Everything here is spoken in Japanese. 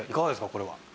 これは。